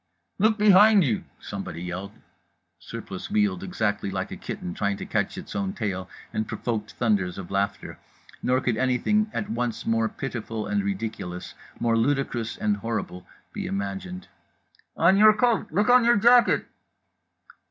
_" "Look behind you!" somebody yelled. Surplice wheeled, exactly like a kitten trying to catch its own tail, and provoked thunders of laughter. Nor could anything at once more pitiful and ridiculous, more ludicrous and horrible, be imagined. "On your coat! Look on your jacket!"